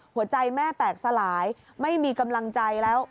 หัวใจแม่แตกสลายไม่มีกำลังใจแล้ว